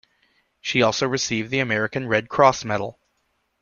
She also received the American Red Cross Medal.